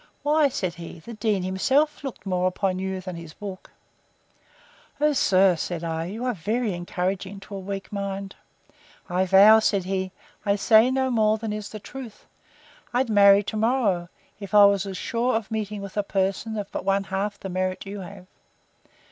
Why, said he, the dean himself looked more upon you than his book. O sir, said I, you are very encouraging to a weak mind! I vow, said he, I say no more than is truth: I'd marry to morrow, if I was sure of meeting with a person of but one half the merit you have.